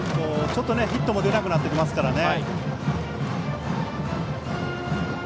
ちょっとヒットも出なくなっていますからね。